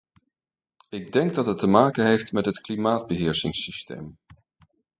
Ik denk dat het te maken heeft met het klimaatbeheersingssysteem.